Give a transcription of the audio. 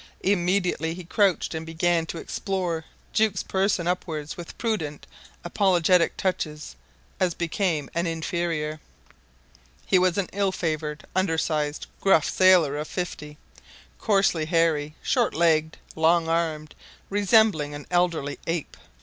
Immediately he crouched and began to explore Jukes' person upwards with prudent, apologetic touches, as became an inferior. He was an ill favoured, undersized, gruff sailor of fifty, coarsely hairy, short legged, long armed, resembling an elderly ape.